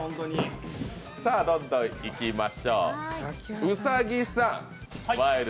さぁ、どんどんいきましょう。